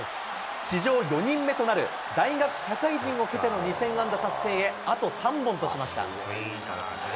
史上４人目となる、大学・社会人を経ての２０００安打達成へ、あと３本としました。